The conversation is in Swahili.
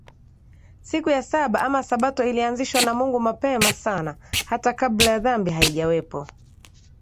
Siku ya Saba ama Sabato ilianzishwa na Mungu Mapema sana hata kabla dhambi haijawepo